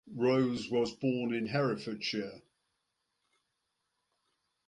Rose was born in Herefordshire.